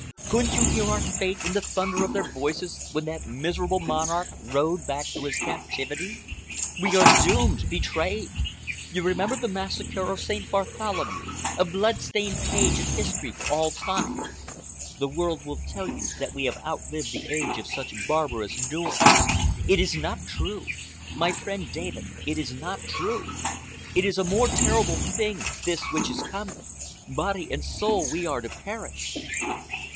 Couldn't you hear our fate in the thunder of their voices when that miserable monarch rode back to his captivity? We are doomed—betrayed! You remember the Massacre of St. Bartholomew, a blood stained page of history for all time. The world would tell you that we have outlived the age of such barbarous doings. It is not true. My friend David, it is not true. It is a more terrible thing, this which is coming. Body and soul we are to perish."